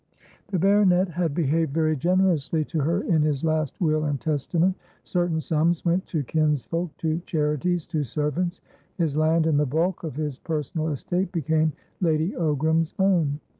The baronet had behaved very generously to her in his last will and testament. Certain sums went to kinsfolk, to charities, to servants; his land and the bulk of his personal estate became Lady Ogram's own.